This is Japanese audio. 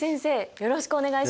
よろしくお願いします。